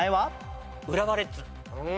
浦和レッズ。